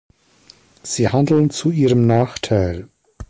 Sie handeln zu ihrem Nachteil.